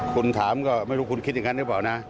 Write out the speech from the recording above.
คุณถามก็ไม่รู้คุณคิดอย่างนั้นหรือเปล่านะ